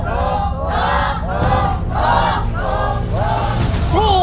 ถูกถูกถูกถูกถูก